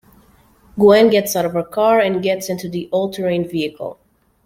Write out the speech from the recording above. Gwen gets out of her car and gets into the all-terrain vehicle.